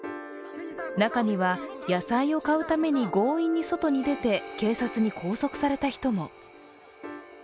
中には、野菜を買うために強引に外に出て警察に拘束された人も。